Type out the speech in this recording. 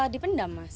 di pendam mas